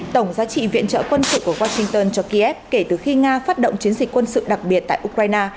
tổng giá trị viện trợ quân sự của washington cho kiev kể từ khi nga phát động chiến dịch quân sự đặc biệt tại ukraine